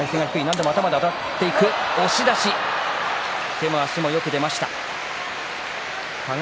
手も足もよく出ました輝。